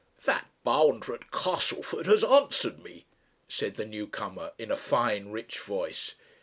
"That bounder at Castleford has answered me," said the new comer in a fine rich voice.